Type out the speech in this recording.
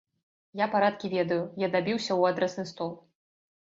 Я парадкі ведаю, я дабіўся ў адрасны стол.